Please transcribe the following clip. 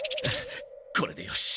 これでよし。